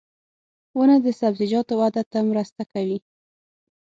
• ونه د سبزیجاتو وده ته مرسته کوي.